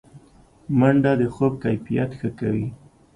منډه د خوب کیفیت ښه کوي